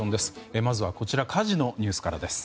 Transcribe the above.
まずは火事のニュースからです。